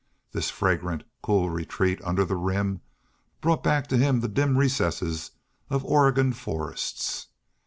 This fragrant, cool retreat under the Rim brought back to him the dim recesses of Oregon forests.